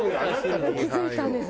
気付いたんです。